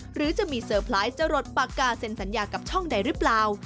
หรือจะมีเซอร์ไพรส์จะหลดปากกาเซ็นสัญญากับช่องใดหรือเปล่า